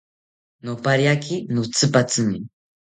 Nopariaki notzipatzimi